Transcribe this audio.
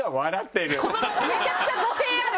めちゃくちゃ語弊ある！